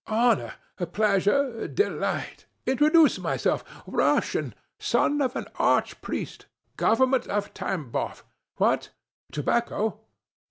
. honor ... pleasure ... delight ... introduce myself ... Russian ... son of an arch priest ... Government of Tambov ... What? Tobacco!